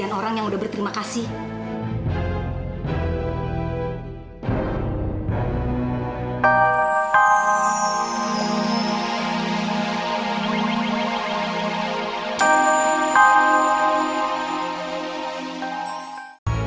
yang bushities itu nggak perlu kalau ada ini tahun aston